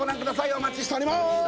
お待ちしております！